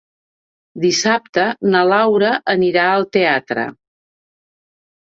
Dissabte na Laura anirà al teatre.